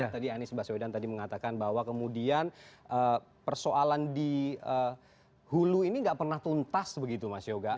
tadi anies baswedan tadi mengatakan bahwa kemudian persoalan di hulu ini nggak pernah tuntas begitu mas yoga